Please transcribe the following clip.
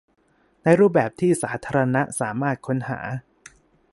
ในรูปแบบที่สาธารณะสามารถค้นหา